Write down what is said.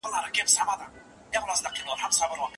ډېر ږدن او پاڼي له کړکۍ څخه راغلل.